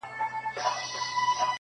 چي ورور دي وژني ته ورته خاندې -